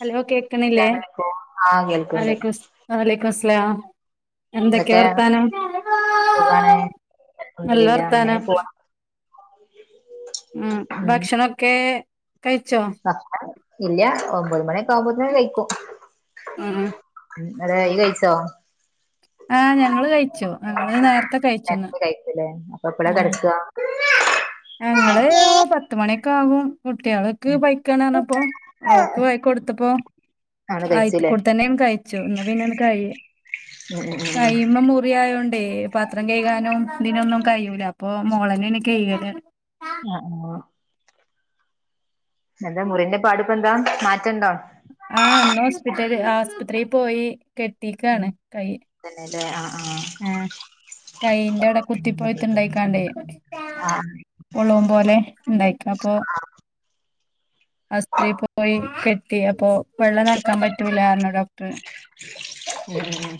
Hello കേക്കണില്ലേ അസ്സലാമലൈക്കും ആഹ് കേൾക്ക്ണ്ട് വലക്കും വാലെക്കും സ്ലാം എന്തൊക്കെ വർത്താനം സുഖാണ് നല്ല അൽഹംദുലില്ലാ അങ്ങനെ വർത്താനം പോണ് ഉം ഭക്ഷണൊക്കേ ഇല്ല ഒമ്പത് മണിയൊക്കെ ആവുമ്പോത്തെ കഴിക്കും ഉം ഉ അതെ ഈ കഴിച്ചോ ആഹ് ഞങ്ങള് കഴിച്ചു ഞങ്ങള് നേർ നേരത്തെ കഴിച്ചുല്ലേ അപ്പൊ എപ്പളാ ആഹ് കെടക്ക ഞങ്ങള് പത്ത്മണിയൊക്കെ ആകും കുട്ട്യാൾക്ക് പൈക്കാണർഞ്ഞപ്പൊ അവർക്ക് വൈകൊടുത്തപ്പോ ആണ് കഴിച്ചുല്ലേ അയികൂടെത്തന്നെങ്ങ് കയിച്ചു എന്നാ പിന്ന കയ്യു ഉം ഉം ഉം ഉം കൈമ മുറിയായോണ്ട് തേ പത്രം കഴുകാനും ഇതിനൊന്നും കഴിയൂല അപ്പൊ മോളന്നാണ് കയുകല് അ ആഹ് എന്താ മുറിന്റെ പാടിപ്പന്താ മാറ്റണ്ടോ ആ ഇന്ന് ഹോസ്പിറ്റല് ആസ്പത്രി പോയി ഉം കെട്ടീക്കാണ് കയ് തന്നെല്ലേ ആഹ് ആഹ് ഏഹ് കൈയിന്റാടെ കുത്തി പയ്ത്ത്ണ്ടായ്ക്കാണ്ടേ ആഹ് പോളും പോലെണ്ടായിക്കാ അപ്പോ [inaudible] അസ്ത്രീ പോയി കെട്ടിയപ്പോ വെള്ളം നനക്കാൻ പറ്റൂലാർഞ്ഞ് ഡോക്ടർ ഉം ഉം ഉം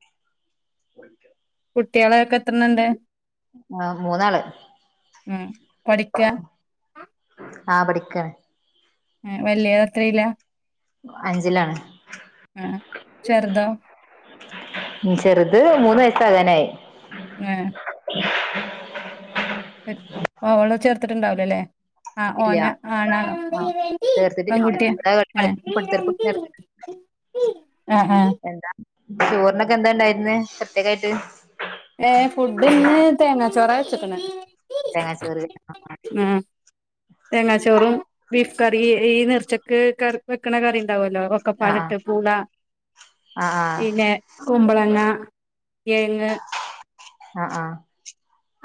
[unintelligible] കുട്ട്യോളൊക്കെത്രണ്ണണ്ട്? ആഹ് മൂന്നാള് ഉം പഠിക്കാ ആഹ് പഠിക്കാണ് എ വല്ല്യാള് എത്രേലാ? അഞ്ചിലാണ് ചെർദോ ഉം ചെറ്ത് മൂന്ന് വയസാകാനായി ഏഹ് അവളെ ചേർത്തിട്ടുണ്ടാവൂലലെ അ ഓന ഇല്ല്യ ആണാ ആഹ് ചേർത്തിട്ടില്ല പെൺകുട്ടിയ ഓൻ്റെ കളി ഏഹ് കളിക്കും പിടുത്തർക്കും ചേർത്ത്. ആഹ് ആഹ് എന്താ ചോറിനൊക്കെന്താണ്ടായിര്ന്നെ പ്രത്യേകായിട്ട് ഏഹ് ഫുഡ്ന്ന് തേങ്ങാചോറാ വെച്ച് ക്ക്ണേ തേങ്ങാച്ചോറ് ആഹ് തേങ്ങാ ചോറും ബീഫ് കറി ഈ നേർച്ചക്ക് കറി വെക്കണ കറി ഉണ്ടാവല്ലോ ആഹ് ഒക്കപ്പാലിട്ട് പൂള ആഹ് ആഹ് പിന്നെ കുമ്പളങ്ങ കേങ്ങ് ആഹ് ആഹ്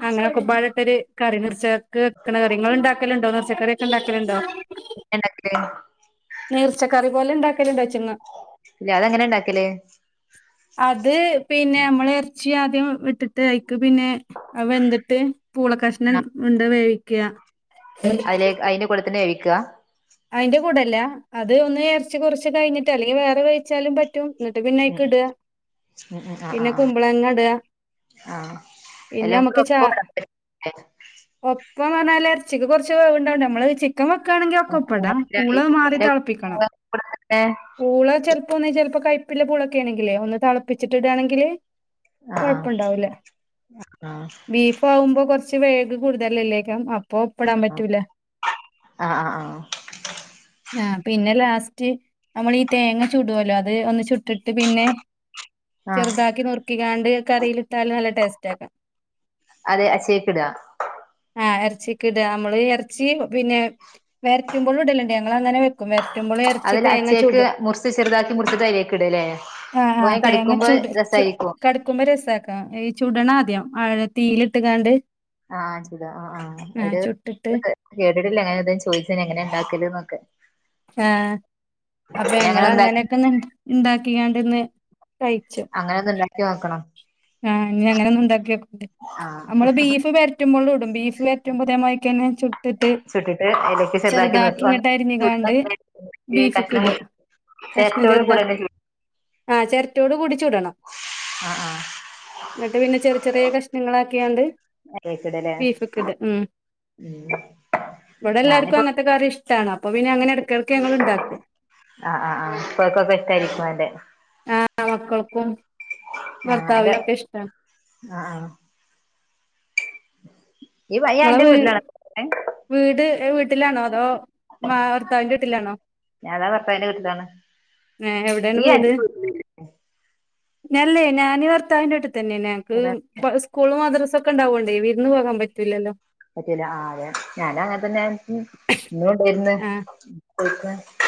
അങ്ങനെ ഒക്കപ്പാട് ട്ടൊരു കറി നർച്ച പച്ചക്കറിയൊക്കെണ്ടാക്കലുണ്ടോ? എനക്ക് നീർച്ച കറിപോലെ ഉണ്ടാക്കലുണ്ട ല്ല അതെങ്ങനെ ഇണ്ടാക്കല് അത് പിന്നെ മ്മൾ എർച്ചി ആദ്യം വെച്ചിട്ട് അയ്ക്ക് പിന്നെ അത് വെന്തിട്ട് പൂളക്കഷ്ണം ഉണ്ട് വേവിക്കാ അയിലേ അയിന്റെ കൂടെ തന്നെ വേവിക്ക അയിന്റെ കൂടല്ല അത് ഒന്ന് എറച്ചി കുറച്ച് കഴിഞ്ഞിട്ട് അല്ലെങ്കിൽ വേറെ വേവിച്ചാലും പറ്റും ന്നട്ട് പിന്നെ ഉം ഐക്ക് ഇടാ, ഉം ഉം ആഹ് പിന്നെ ആഹ് കുമ്പളങ്ങ ഇടാ ആഹ് പിന്നെ എല്ലാം കൂടെ അമക്ക് ചാ ഒപ്പം ആഹ് ഒ ഇപ്പോന്നറഞ്ഞാല് എറച്ചിക്ക് കൊറച്ച് വേവ്ണ്ടാവോണ്ട് നമ്മള് ചിക്കൻ വെക്കാണെങ്കിൽ ഒക്കെ ആഹ് ഒപ്പ് പ്പതാ പൂള ആഹ് മാറി തെളപ്പിക്കണം. പൂള ചെലപ്പോ ഒന്ന് ചെലപ്പോ കൈപ്പ് വല്ല്യ പുളൊക്കേണെങ്കിലേ ഒന്ന് തളപ്പിച്ചിട്ട് ഇടാണെങ്കില് കൊഴപ്പണ്ടാവൂല്ല ആഹ് ബീഫ് ആവുമ്പോ കൊർച് കുറച്ച് വേഗ് കൂടുതലല്ലേക്കാം അപ്പ പ്പടാൻ പറ്റൂല ആഹ് ആഹ് ആഹ പിന്നെ ലാസ്റ്റ് നമ്മള് ഈ തേങ്ങ ചുടോല്ലോ അത് ഒന്ന് ചുട്ടിട്ട് പിന്നെ ആഹ് ചെർതാക്കി നുർക്കികാണ്ട് കറിയിലിട്ടാല് നല്ല ടെസ്റ്റ് ആക്കാം അതെ അഛേക്കടാ ആഹ് എറചീക്ക്ഇട. നമ്മള് എറച്ചി പിന്നെ വെര് വറ്റുമ്പോളും ഇടലുണ്ട് ഞങ്ങൾ അങ്ങനെ വെക്കും വര്റ്റുമ്പളും എറച്ചി അതിൽ തേങ്ങ അച്ചേക്ക് ചൂടും മുറിച്ച് ചെറുതാക്കി മുറിച്ചിട്ട് അതിലേക്ക് ഇടല്ലേ ആഹ ആ അപ്പ തേങ്ങ കടിക്കുമ്പോ ചുട് ചു രസായിരിക്കും കടക്കുമ്പോ രസക്കാ ഈ ചുടണ ആദ്യം ആഴ തീയിലിട്ട്ങ്ങാണ്ട് ആഹ ചെയ്ത് ആ ആ അവര് ചുട്ടിട്ട് കേട്ടട്ടില്ല അങ്ങനെ എന്തേ ചോയ്ച്ചിന് എങ്ങനെ ഇണ്ടാക്കല് ന്നൊക്കെ ആഹ അപ്പൊ അങ്ങനെ ഞങ്ങള് ഉണ്ടാക്കി അങ്ങനെയൊക്കെ ന്ന് ഇണ്ടാക്കിആണ്ട് ന്ന് അങ്ങനെ ഒന്ന് ഉണ്ടാക്കി നോക്കണം ആഹ് അങ്ങനെ ഒന്ന് ഉണ്ടാക്കിയോക്ക് ആഹ് നമ്മള് ബീഫ് വര്റ്റുമ്പോളും ഇടും ബീഫ് വറ്റുമ്പോ തേ മാരിക്കെന്നെ ചുട്ട്ട്ട് ചുട്ടിട്ട് അതിലേക്ക് ചെറുതാക്കി ഇങ്ങട്ടറിഞ്ഞി താണ്ട് ബീഫ്ക്ക് കഷ്ണം ഇടാ. കഷ്ണം ചേരട്ടോട് ചെറുതാ കൂടെ തന്നെ ചുടും ആഹ ചെരട്ടോട് കൂടിച്ചുടണം ആഹ് ആഹ് ന്നിട്ട് പിന്നെ ചെറിയ ചെറിയ കഷ്ണങ്ങളാക്കിയാണ്ട് അതിലേക്ക് ഇടല്ലേ ബീഫക്ക് ഇടാ ഉം. ഉം ഇവിടെ എല്ലാർക്കും ഞാനിപ്പോ അങ്ങനത്തെ കറി ഇഷ്ടാണ് പോപിന്നെ അങ്ങനെ എടക്കെടക്ക് ഞങ്ങള് ഇണ്ടാക്കും. ആഹ് ആഹ് ആഹ് ഇപ്പക്കൊക്കെ ഇഷ്ടായിരിക്കും അന്റെ ആ മക്കൾക്കും ആഹ് അന്റെ ഭർത്താവിനൊക്കെ ഇഷ്ടാ ആഹ് ആഹ് ഈ വയ്യ എന്റെ വീ വീട്ടിലാട്ക്ക്ണ് വീട് വീട്ടിലാണോ അതോ മാ ഭർത്താവിൻന്റെ വീട്ടിലാണോ ലാണ് ഏ ഈയ്യഅന്റെ വീടില് അല്ലേ ഞാന് ഭർത്താവിന്റെറെ വീട്ട്തന്നെണ് ഇവിടെ ഞക്ക് സ്കൂള് മദ്രസ ഒക്കെ ഉണ്ടാവോണ്ടേ വിരുന്നു പോകാൻ പറ്റൂല്ലല്ലോ പറ്റുല ആ അതെ ഞാന അങ്ങനെ തന്നെ ഇന്നുണ്ടെര്ന്ന് ആ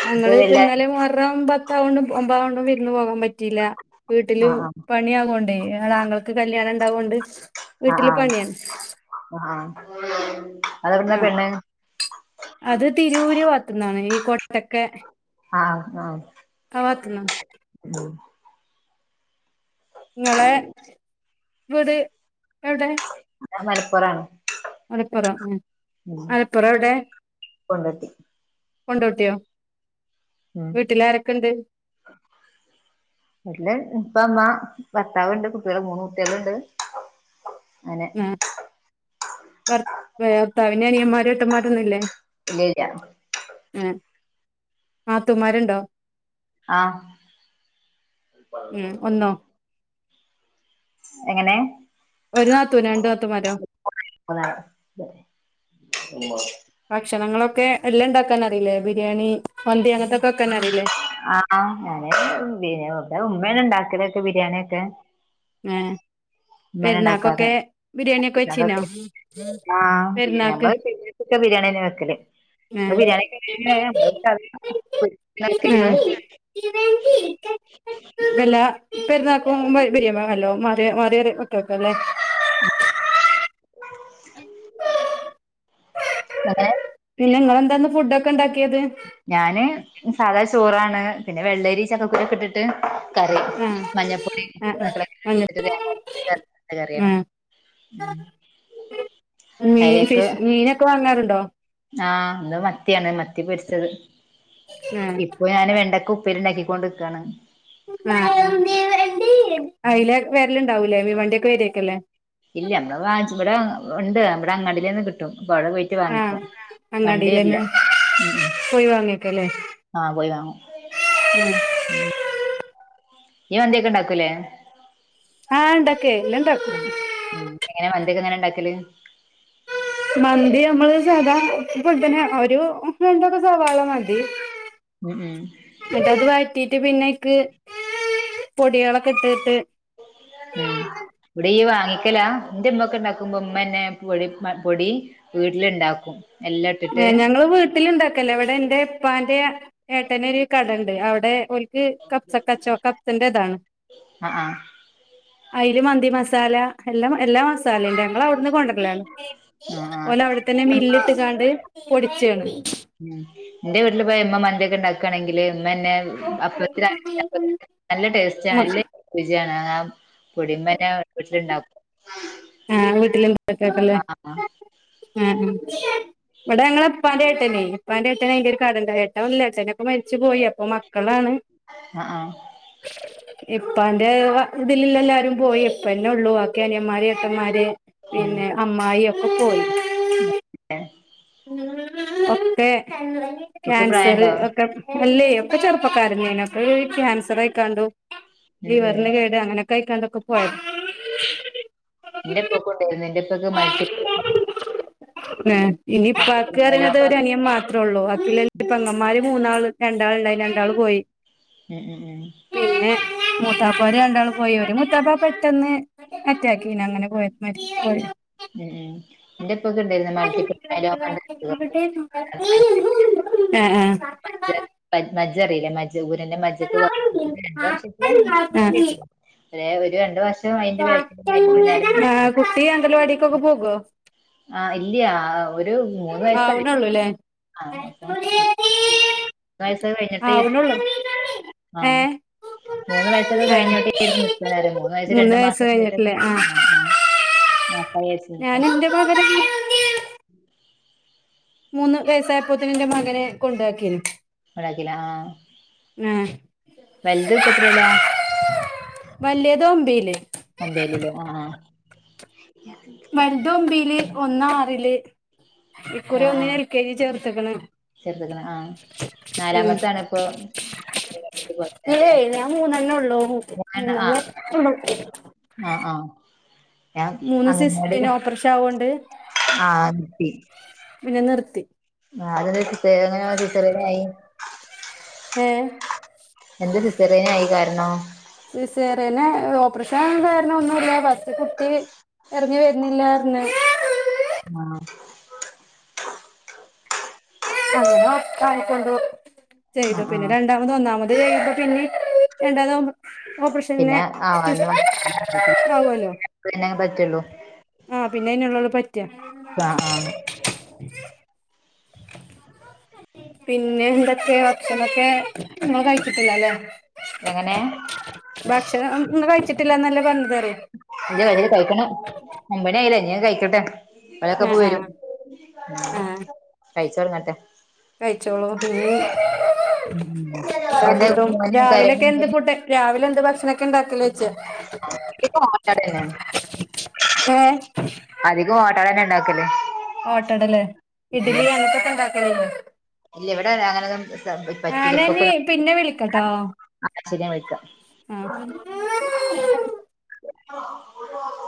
ഞങ്ങള് പ്പൊ ഇന്നാലെ മുഹരം പത്തു പത്താകോണ്ടും ഒമ്പാതാകോണ്ടും വിര്ന്ന് പോകാപറ്റീല്ല വീട്ടില് ആ ആ പണിയാകൊണ്ട് അങ്ങൾക്ക് കല്യാണം ണ്ടാവോണ്ട് ആഹ ആഹ ആഹ അതെവിടന്നാ ആ പെണ്ണ്? അത് തിരൂര് ഭാഗത്ത്ന്നാണ് ഈ കൊട്ടക്കെ ആഹ ആഹ ഭാതന്നാ [unintelligible] ഇങ്ങളെ വീട് എവ്ടെ ഞാ മലപ്പുറാണ് മലപ്പുറോ? ഉം ഉം മലപ്പുറം എവ്‌ടെ കൊണ്ടോട്ടി കൊണ്ടോട്ടിയോ ഉം വീട്ടിൽ ആരൊക്കെ ഉണ്ട് അല്ലെ ഇപ്പ മ്മ ഭർത്താവുണ്ട് കുട്ടികൾ മൂന്ന് കുട്ടികൾ ഉണ്ട്. അങ്ങനെ ആ ഭർ വേ ഭർത്താവിന് അനിയന്മാര് എട്ടന്മാരൊന്നുല്ലേ? ഇല്ല ഇല്ല. ആ നാത്തൂന്മാരുണ്ടോ? ആ ഉം ഒന്നോ എങ്ങനെ? ഒരു നാത്തൂന് രണ്ടു നാത്തും മാരോ? ഉമ്മ ഭക്ഷണങ്ങളൊക്കെ എല്ലാം ഇണ്ടാക്കാൻ അറിയില്ലേ? ബിരിയാണി, മന്തി അങ്ങനത്തെ ഒക്കെ വെക്കാൻ അറിയില്ലേ ആഹ് ഞാന് പി ഉമ്മേന ഉണ്ടാ ക്കെലൊക്കെ ബിരിയാണിയൊക്കെ ഏ [inaudible] ഉമ്മനെ ഉണ്ടാക്കാറ്. പെരുന്നാക്കൊക്കെ ബിരിയാണി ഒക്കെ വെച്ചിനോ ഞങ്ങക്ക് ആ പെരുന്നാക്ക് ഞമ്മള് [unintelligible] ബിരിയാണി, ന്ന്യാവെക്കല്. ആഹ് ബിരിയാണി ഒക്കെ [unintelligible] [unintelligible] വല്ല പെരുന്നാക്ക് മുമ്പ് ബിരിയമ ല്ലോ മാറി മാറിയാല് ഒട്ടക്കല്ലേ [unintelligible] എങ്ങനെ? പിന്നെ നിങ്ങളെന്താ ഇന്ന് ഫുഡ് ഒക്കെ ഉണ്ടാക് ഞാന് സാധാ ചോറാണ്. പിന്നെ വെള്ളരി ചക്കക്കുരൊക്കെ ഇട്ടിട്ട് കറി ആഹ് മഞ്ഞൾപ്പൊടി ആഹ് [unintelligible] ആഹ് ഇട്ടട്ട് തേങ്ങ അരച്ച [unintelligible] കറിയാണ്. ആഹ് ഉം മീൻ ഫിഷ് മീനൊക്കെ വാങ്ങാറുണ് ആ ഇന്ന് മത്തിയാണ് മത്തി പൊരിച്ചത്. ആഹ് ഇപ്പൊ ഞാന് വെണ്ടക്ക ഉപ് പ്പേരി ഇണ്ടാക്കിക്കോണ്ട് ഇക്കാണ്. ആ അയ്‌ലേക്ക് വെർലുണ്ടാവൂലേ? മീ വണ്ടിയൊക്കെ വരിയാക്കും ല്ലേ? ഇല്ല നമ്മള് വാങ്ങ്ച്ച് ഇവിടെ ഉണ്ട് നമ്മടെ അങ്ങാടിയിലേന്ന് കിട്ടും. പ്പ അവിടെ പോയിട്ട് ആഹ് വാങ്ങിക്കും. വണ്ടി വരില്ല. അങ്ങാടിലന്നെ ഉം ഉം പോയി വാങ്ങിക്കല്ലേ ആ പോയി വാങ്ങും. ഉം നീ മന്തിയൊക്കെ ഉണ്ടാക്കൂലേ? ആ ഇണ്ടാക്കേ ല്ലണ്ട് ന്തിയൊക്കെ എങ്ങനെ ഇണ്ടാക്കല്? മന്തി നമ്മള് സദാ പോലെതന്നെ ഒരു വലുതൊക്കെ സവാള മതി. ഉം ഉം എന്നിട്ട് അത് വയറ്റി റ്റീട്ട് പിന്നേക്ക് പൊടിയളൊക്കെ ഇട്ടിട്ട് ഉം ഇവിടെയി വാ ങ്ങിക്കല എന്റെമ്മ ഒക്കെ ഉണ്ടാക്കുമ്പോ ഉമ്മന്നെ പൊടി പൊടി വീട്ടിലുണ്ടാക്കും. എല്ലാം ഇട്ടിട്ട് ഞങ്ങള് വീട്ടിലുണ്ടാക്കല്ലേ ഇവിടെ എൻ്റെ ഉപ്പാന്റെ ഏട്ടന് ഒരു കട ഉണ്ട്. അവിടെ ഒൽ ക്ക് കപ്സ ക്കച്ചോ കപ്സൻ്റെ ഇതാണ്. ആഹ് ആഹ് അയില് മന്തി മസാല എല്ലാം എല്ലാ മസാലയും ഞങ്ങൾ അവിടന്ന് കൊണ്ടുവരലാണ്. ആഹ് ആഹ് ഓലവിടെത്തന്നെ മില്ല് ഇമ്മ ഇട്ട് കാണ്ട് പൊടിച്ചാണ്. ഉം എന്റെ വീട്ടില് പോയ മ്മ മന്തിയൊക്കെ ഉണ്ടാക്കണെങ്കില് ന്നെ അപ്പത്തി [unintelligible] നല്ല ടേസ്റ്റ് നല്ല രുചിയാണ്. പൊടി ഉമ്മാന്നെ വീട്ടിൽ ഉണ്ടാക്കും ആ വീട്ടില് എന്തക്കക്കല്ലേ ആഹ് ആ ആ ഇവിടെ ഞങ്ങളെ ഉപ്പാന്റെ ഏട്ടനെ ഉപ്പാന്റെട്ടന് ഒരു കടയിണ്ടായി ട്ടോ ഇല്ല ഏട്ടനൊക്കെ മരിച്ചു പോയി. അപ്പൊ മക്ക കളാണ് ആഹ് ആഹ് ഇപ്പാന്റെ വ ഇതിലെല്ലാരും പോയി. ഇപ്പന്നൊള്ളു ബാക്കി അനിയന്മാര് ഏട്ടന്മാര് പിന്നേ... അമ്മായി ഒക്കെ പോയി. മ് ഒക്കെ ഇവക്ക് കാൻസറ് പ്രായണ്ടോ ഒക്കെ അല്ലെ ക്കെ ചെറുപ്പക്കാരന്നാണ് അതോര് ക്യാൻസറയ്ക്കാണ്ടും ഉം ഉം ലിവറിന് കേട് അങ്ങനെ ക്കയ്ക്കാണ്ടൊക്കെ പോയത് അത് മൾട്ടിപ് എ മൈലോമ ഇനിപാക്കറിയിണതൊരനിയൻമാത്രൊള്ളു. ല്ലപ്പ പെങ്ങമ്മാര് മൂന്നാള് രണ്ടാള്ണ്ടായിന്ന് രണ്ടാള് പോയി എ എ എ മുത്താപ്പാര് രണ്ടാളും പോയോര് മുത്താപ്പ പെട്ടെന്ന് അറ്റാക്കേന്നു അങ്ങനെ പോയത് മരിച്ചുപോയി ഉം ഉം എന്റെ ഉപ്പക്ക് ഉണ്ടായിരുന്നു മൾട്ടിപ്പിൾ മൈലോമ ഉണ്ട് അസുഖം അതാണ് മജ്ജ [inaudible] അ അ മജ്ജ മജ്ജറിയിലെ ജൂരന്റെ മജ്ജക്ക് രണ്ട വർഷെങ്കിലും ഒരു രണ്ട വർഷം അതിന്റെ ബാക്കിൽ അതിന്റെ പിന്നാലെ ഞാൻ. ആ... കുട്ടി അംഗൽവാടിക്കൊക്കെ പോകോ.. ആ ഇല്ല്യാ.. ഒരു മൂന്ന് വയസ്സായി ആവണള്ളൂല്ലേ ആ അപ്പ വയസ കഴിഞ്ഞിട്ട് ആവണുള്ളൂ അ. ഏ മൂന്ന് വയസൊക്കെ ആ കഴിഞ്ഞോട്ടെകരുതിനിക്കാണ് മൂന്നു വയസും മൂന്ന് രണ്ടു വയസ്സ് മാസം കഴിഞ്ഞിട്ടില്ലേ ആ അ പയർച്ചിക്ക ഞാൻ എന്റെ മകനെ മൂന്ന് വയസ്സായിപ്പോത്തിന് ന്റെ മകനെ കൊണ്ടാക്കീന്ന് ണ്ടാക്കീല ആ... വലുത്പ്പത്രേലാ..? വലിയത് ഒമ്പയില് വല്തൊമ്പീല് ഒന്നാറില് ഇക്കുറി ഒന്നിനെ എൽ കെ ജി ചേർത്തക്ണ് ചേർത്ക്ക്ണ് ആ... നാലാമത്താണ്പ്പോ ഏ ആ.. മൂന്നണ്ണോള്ളൂ ഞാൻ ആ മൂന്നെണ്ണം ള്ളൂ ആ ആ ഞാൻ അങ്കനവാടി ഓപ്പറേഷൻ ആവോണ്ട് ആ... ട്ടി പിന്നെനിർത്തി ആ അതെന്റെ സ അങ്ങനെ സിസറന ആയി എ എന്തെ സിസേറിയനായ കാരണം സിസേറിയനെ ഓപ്പറേഷനാവാൻ കാരണൊന്നുല്ല ഫസ്റ്റ്ത്തകുട്ടി ഇറങ്ങി വര്നില്ലാറഞ് ആ അങ്ങനെഒക്കായിക്കൊണ്ട് ആ ചെയ്തു. ആ പിന്നെ രണ്ടാമത് ഒന്നാമത് ചെയ്യിമ്പോ പിന്നെ രണ്ടാതാവുമ്പോ ഓപ്പറേഷനന്നേ പിന്നെ ആ അന്ന് ണ്ടാവല്ലൊ തന്നെ പറ്റുള്ളൂ അ പിന്നയ്നുള്ളല്ലൊ പറ്റാ... ആ ആ പിന്നേന്തൊക്കേ.. ഭക്ഷണൊക്കെ ഇങ്ങള് കഴിച്ചിട്ടില്ലലെ എങ്ങനെ ഭക്ഷണംന്ന് കഴിച്ചിട്ടില്ലാന്നല്ലെ പറഞ്ഞത് അറിയ ജവരോത് കഴിക്കിണ ഒമ്പണ്യായിലെ ഇഞാകഴിക്കട്ടെ ആ ആ ഓലൊക്കെപ്പവരും ഉം ആ കഴിച്ചൊട്ങ്ങട്ടെ കഴിച്ചോളൂ... ന്ന് ഉം ഉം എല്ലാ എന്താ ഫുഡും മോന് കരയണ രാവിലെക്കെന്ത്‌ എന്തെ ഫുഡാ.. രാവിലെ ഭക്ഷണക്കെണ്ടാക്കലച്ച അധികം ഓട്ടടന്നെ അധികം ഓട്ടടെന്നണ്ടാക്കല് ഓട്ടടല് ഇഡ്ഡലി അങ്ങൻ തോക്കൊ ഇണ്ടാക്കലല് ഇല്ല ഇവിടെ അങ്ങനൊന്നും ആ പറ്റൂല ഞാൻ ന്ന് ഇപ്പൊക്കൊന്നും പിന്നെ വിളിക്കട്ടോ ശരിയാ വിളിക്കാം ആ ആ